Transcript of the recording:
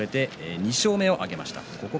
武将山、２勝目を挙げました。